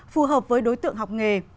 phù hợp với đối tượng học nghề